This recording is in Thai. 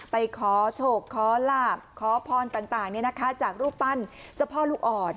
ไปขอโชคขอลาบขอพรต่างจากรูปปั้นเจ้าพ่อลูกอ่อน